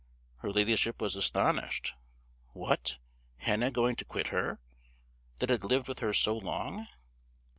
Her ladyship was astonished: "What! Hannah going to quit her, that had lived with her so long!"